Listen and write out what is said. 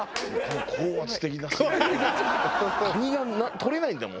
蟹がとれないんだもん